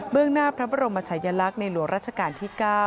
หน้าพระบรมชายลักษณ์ในหลวงราชการที่๙